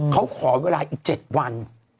เขาขอเวลาอีก๗วัน